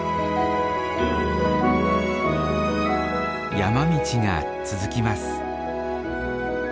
山道が続きます。